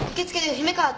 姫川。